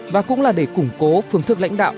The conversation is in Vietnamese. và cũng là để củng cố phương thức lãnh đạo